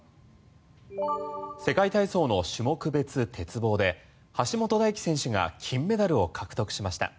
世界体操の種目別鉄棒で橋本大輝選手が金メダルを獲得しました。